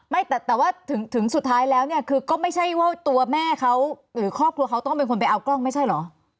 ไม่แต่ว่าถึงสุดท้ายแล้วเนี่ยคือก็ไม่ใช่ว่าตัวแม่เขาหรือครอบครัวเขาต้องเป็นคนไปเอากล้องไม่ใช่เหรอ